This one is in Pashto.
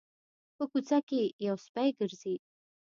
په کوڅه کې یو سپی ګرځي